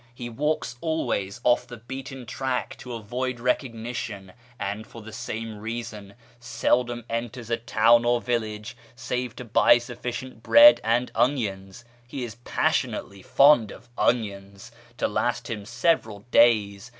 He walks always off the beaten track to avoid recognition, and, for the same reason, seldom enters a town or village save to buy sufficient bread and onions (he is passionately fond of onions) to last him several days.